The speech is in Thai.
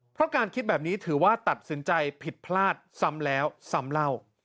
เพราะการคิดแบบนี้ถือว่าตัดสินใจผิดพลาดซ้ำแล้วซ้ำเล่า